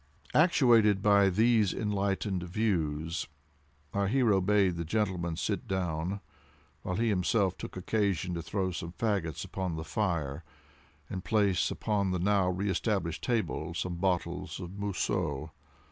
Actuated by these enlightened views, our hero bade the gentleman sit down, while he himself took occasion to throw some fagots upon the fire, and place upon the now re established table some bottles of Mousseux.